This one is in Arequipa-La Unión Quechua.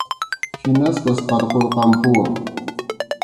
Hinaspas qarqurqampuwan.